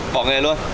bỏ nghề luôn